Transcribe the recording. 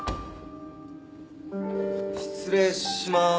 失礼しまーす。